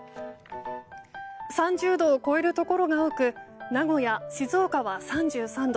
３０度を超えるところが多く名古屋、静岡は３３度。